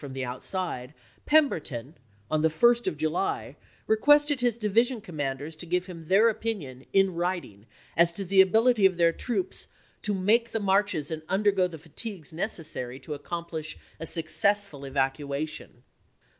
from the outside, Pemberton, on the 1st of July, requested his division commanders to give him their opinion, in writing, as to the ability of their troops "to make the marches and undergo the voi.xxiv., fatigues necessary to accomplish a successful evac p. 28i." uation."